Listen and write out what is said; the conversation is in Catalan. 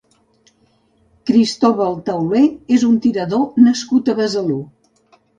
Cristóbal Tauler és un tirador nascut a Besalú.